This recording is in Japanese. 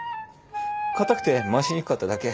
固くて回しにくかっただけ。